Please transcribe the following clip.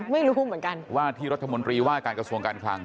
ไม่รู้เหมือนกันว่าที่รัฐมนตรีว่าการกระทรวงการคลัง